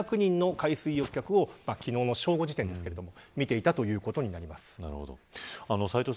合計で１５００人の海水浴客を昨日の正午時点ですが見ていたということになります。